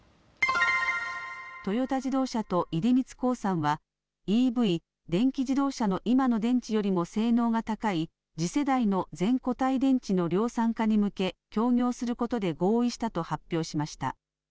トヨタ自動車と出光興産はＥＶ・電気自動車の今の電池よりも性能が高い次世代の全固体電池の量産化に向け協業することで合意したと発表しました。